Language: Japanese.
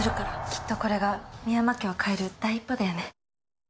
きっとこれが深山家を変える第一歩だよね。